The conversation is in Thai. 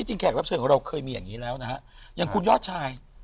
จะมีอย่างนี้แล้วนะฮะอย่างคุณยอดชาย